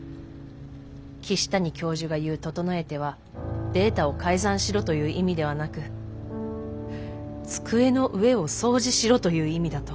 岸谷教授が言う「整えて」はデータを改ざんしろという意味ではなく机の上を掃除しろという意味だと。